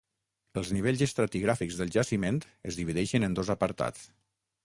Els nivells estratigràfics del jaciment es divideixen en dos apartats.